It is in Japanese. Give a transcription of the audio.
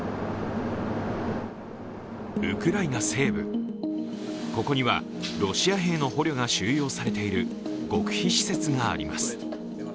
ウクライナ西部、ここにはロシア兵の捕虜が収容されている極秘施設があります。